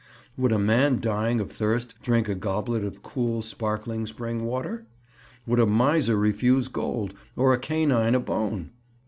Would a man dying of thirst drink a goblet of cool, sparkling spring water? Would a miser refuse gold? Or a canine a bone?